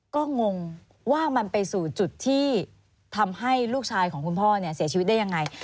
ก็งงว่ามันไปสู่จุดที่ทำให้ลูกชายของคุณพ่อเนี่ยเสียชีวิตได้ยังไง